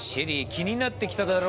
気になってきただろ？